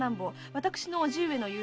私の叔父上の友人。